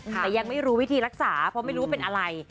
แต่ยังไม่รู้วิธีรักษาเพราะไม่รู้ว่าเป็นอะไร